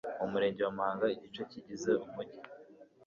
Mu Murenge wa Muhanga igice kigize umugi